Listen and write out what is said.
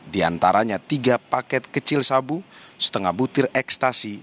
di antaranya tiga paket kecil sabu setengah butir ekstasi